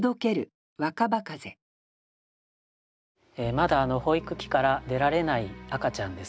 まだ保育器から出られない赤ちゃんですね。